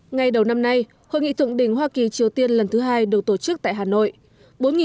ngày đầu năm nay hội nghị thượng đỉnh hoa kỳ triều tiên lần thứ hai được tổ chức tại hà nội